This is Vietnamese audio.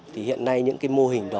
thì hiện nay những cái mô hình đó